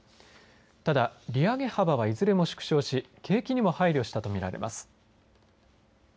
ただ、利上げ幅はいずれも縮小し景気にも配慮したと見られます。